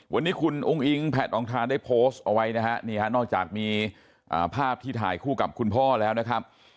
วันนี้คุณอุ้งอิงแพทองทานได้โพสต์เอาไว้นะฮะนี่ฮะนอกจากมีภาพที่ถ่ายคู่กับคุณพ่อแล้วนะครับ